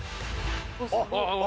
ああ！